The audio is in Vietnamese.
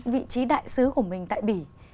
vị trí đại sứ của mình tại bỉ